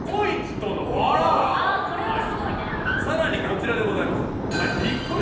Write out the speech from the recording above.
さらにこちらでございます。